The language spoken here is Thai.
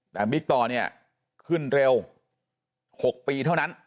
แต่บิ๊กต่อเนี่ยขึ้นเร็ว๖ปีเท่านั้น